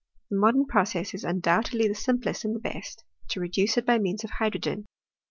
The modem process is un doubtedly the simplest and the best, to reducie it by means of hydrogen.